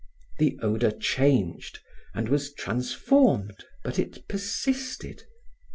The odor changed and was transformed, but it persisted.